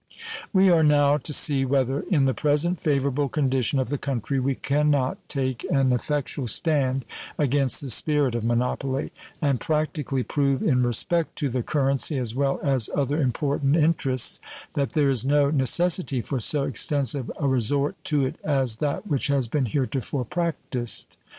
We are now to see whether, in the present favorable condition of the country, we can not take an effectual stand against the spirit of monopoly, and practically prove in respect to the currency as well as other important interests that there is no necessity for so extensive a resort to it as that which has been heretofore practiced.